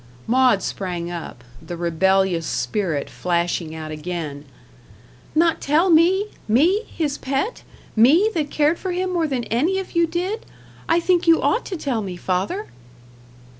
Maud sprang up the rebellious spirit flashing out again. "Not tell me me, his pet me, that cared for him more than any of you did. I think you ought to tell me, father."